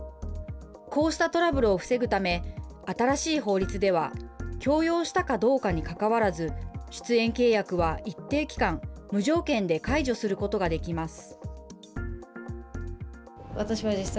こうしたトラブルを防ぐため、新しい法律では、強要したかどうかにかかわらず、出演契約は一定期間、無条件で解除することができます。